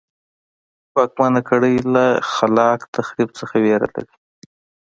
واکمنه کړۍ له خلاق تخریب څخه وېره لري.